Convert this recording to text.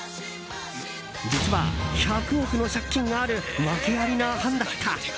実は、１００億の借金がある訳ありな藩だった。